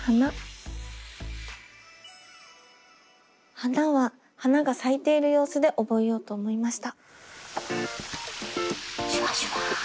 「花」は花が咲いている様子で覚えようと思いました。